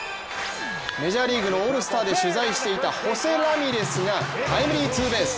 メジャーのオールスターで取材していたホセ・ラミレスがタイムリーツーベース。